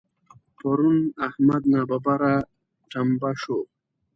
پرون احمد ناببره ټمبه شو.